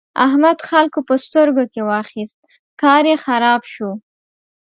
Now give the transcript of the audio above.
احمد خلګو په سترګو کې واخيست؛ کار يې خراب شو.